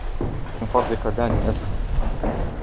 من فضلك دعني أذهب.